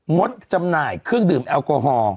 ดจำหน่ายเครื่องดื่มแอลกอฮอล์